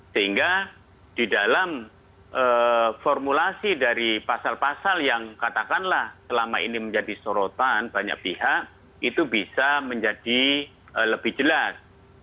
sehingga di dalam formulasi dari pasal pasal yang katakanlah selama ini menjadi sorotan banyak pihak itu bisa menjadi lebih jelas